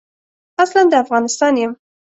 اصلاً د افغانستان یم.